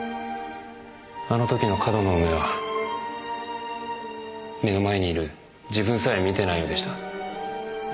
あの時の上遠野の目は目の前にいる自分さえ見てないようでした。